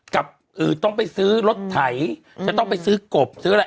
กับต้องไปซื้อรถไถจะต้องไปซื้อกบซื้ออะไร